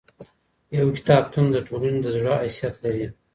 يو کتابتون د ټولني د زړه حيثيت لري.